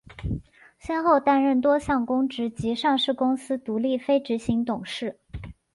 先后担任多项公职及上市公司独立非执行董事。